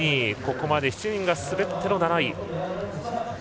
ここまで７人が滑っての７位。